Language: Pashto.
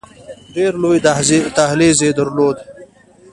ډېر لوی دهلیز یې درلود.